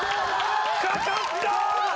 掛かった！